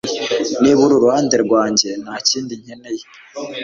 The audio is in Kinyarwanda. Niba uri iruhande rwanjye nta kindi nkeneye